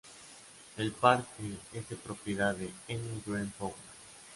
El parque es de propiedad de Enel Green Power.